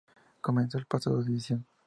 Comenzó el pasado División.